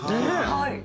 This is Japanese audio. はい。